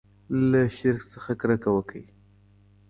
له شرک څخه کرکه وکړئ.